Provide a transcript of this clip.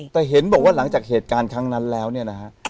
แต่เห็นบอกว่าหลังจากเหตุการณ์ครั้งนั้นแล้วเนี่ยนะฮะ